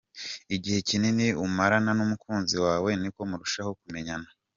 Igihe kinini umarana n’ umukunzi wawe niko murushaho kumenyana.